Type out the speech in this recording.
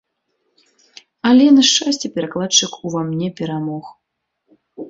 Але, на шчасце, перакладчык ува мне перамог.